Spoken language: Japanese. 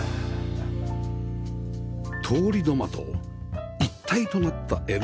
通り土間と一体となった ＬＤＫ